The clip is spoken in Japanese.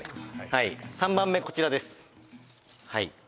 はい３番目こちらです